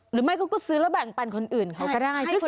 หรือไม่เขาก็ซื้อแล้วแบ่งปันคนอื่นเขาก็ได้